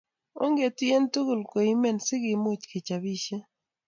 Ongetuiye tugul koimen si kemuch kechopisie